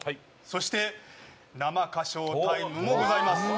そして生歌唱タイムもございます。